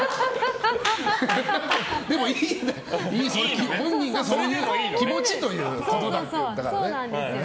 でも、本人がそういう気持ちということだからね。